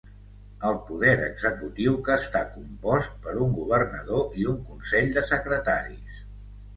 El poder executiu que està compost per un governador i un consell de secretaris.